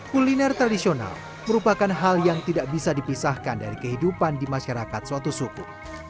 kuliner tradisional merupakan hal yang tidak bisa dipisahkan dari kehidupan di masyarakat suatu suku